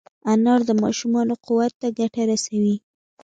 انار د ماشومانو قوت ته ګټه رسوي.